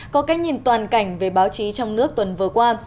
có cái nhìn toàn cảnh về báo chí trong nước tuần vừa qua